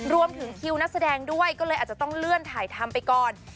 รวมถึงคิวนักแสดงด้วยก็เลยอาจจะต้องเลื่อนถ่ายทำไปก่อน